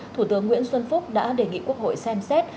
thủ tướng nguyễn xuân phúc đã đề nghị quốc hội xem xét